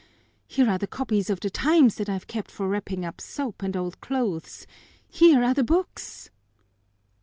Here are the copies of The Times that I've kept for wrapping up soap and old clothes. Here are the books."